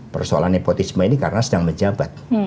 persoalan nepotisme ini karena sedang menjabat